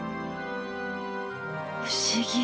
不思議。